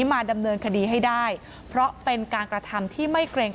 มันเกินไปมันหลุมแบบนานเหมือนกัน